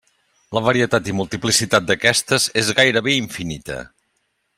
La varietat i multiplicitat d'aquestes és gairebé infinita.